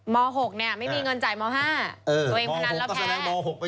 ต้องจ่ายม๕ตัวเองพนันแล้วแพ้